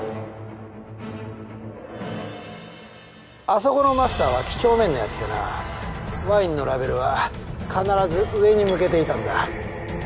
あそこのマスターは几帳面な奴でなワインのラベルは必ず上に向けていたんだ。